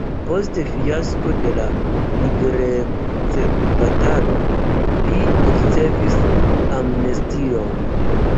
Post fiasko de la liberecbatalo li ricevis amnestion.